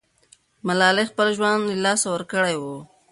ملالۍ خپل ژوند له لاسه ورکړی وو.